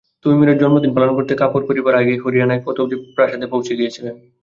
তৈমুরের জন্মদিন পালন করতে কাপুর পরিবার আগেই হরিয়ানায় পতৌদি প্রাসাদে পৌঁছে গিয়েছিলেন।